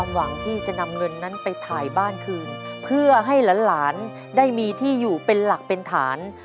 หวังที่จะนำเงินนั้นไปถ่ายบ้านคืนเพื่อให้หลานได้มีที่อยู่เป็นหลักเป็นฐาน